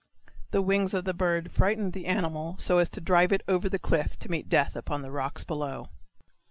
The wings of the bird frightened the animal so as to drive it over the cliff to meet death upon the rocks below.